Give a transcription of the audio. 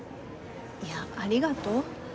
いやありがとう？